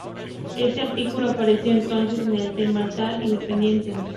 Este artículo apareció entonces en el "The Malta Independent".